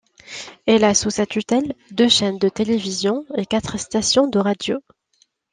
Elle a sous sa tutelle deux chaînes de télévision et quatre stations de radio.